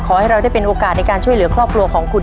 ขอให้เราได้เป็นโอกาสในการช่วยเหลือครอบครัวของคุณ